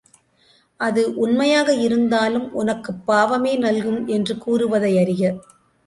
அது உண்மையாக இருந்தாலும் உனக்குப் பாவமே நல்கும் என்று கூறுவதை அறிக.